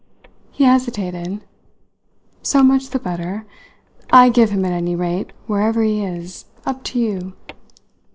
He hesitated. "So much the better. I give him, at any rate, wherever he is, up to you."